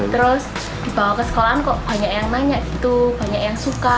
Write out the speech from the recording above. terus dibawa ke sekolahan kok banyak yang nanya gitu banyak yang suka